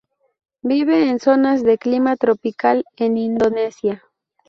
Vive en zonas de clima tropical, en Indonesia.